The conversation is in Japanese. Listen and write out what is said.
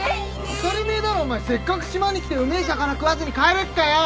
当たりめえだろお前せっかく島に来てうめえ魚食わずに帰れっかよ。